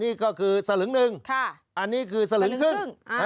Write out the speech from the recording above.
นี่ก็คือสลึงหนึ่งอันนี้คือสลึงครึ่ง